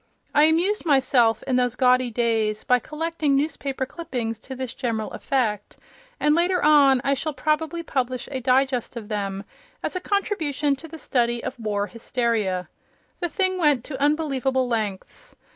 I amused myself, in those gaudy days, by collecting newspaper clippings to this general effect, and later on I shall probably publish a digest of them, as a contribution to the study of war hysteria. The thing went to unbelievable lengths.